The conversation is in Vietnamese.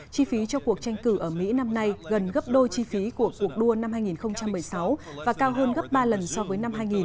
chi phí cho cuộc tranh cử ở mỹ năm nay gần gấp đôi chi phí của cuộc đua năm hai nghìn một mươi sáu và cao hơn gấp ba lần so với năm hai nghìn